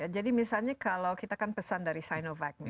jadi misalnya kalau kita kan pesan dari sinovac